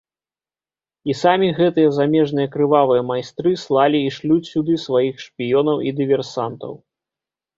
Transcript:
І самі гэтыя замежныя крывавыя майстры слалі і шлюць сюды сваіх шпіёнаў і дыверсантаў.